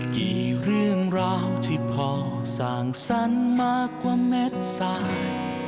กี่เรื่องราวที่พ่อสร้างสรรค์มากกว่าเม็ดสั่ง